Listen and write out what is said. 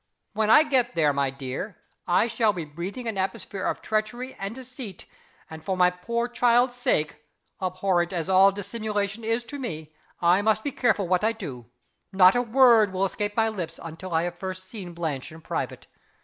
"When I get there, my dear, I shall be breathing an atmosphere of treachery and deceit; and, for my poor child's sake (abhorrent as all dissimulation is to me), I must be careful what I do. Not a word will escape my lips until I have first seen Blanche in private.